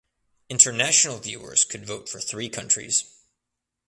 International viewers could vote for three countries.